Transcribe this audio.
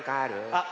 あっ！